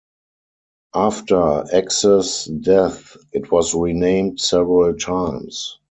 After X's death it was renamed several times.